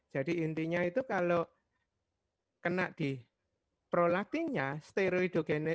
jadi intinya itu kalau kena di prolaktinnya steroidogenesis